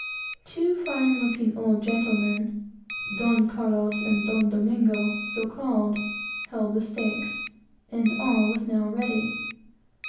Two fine looking old gentlemen Don Carlos and Don Domingo, so called held the stakes, and all was now ready.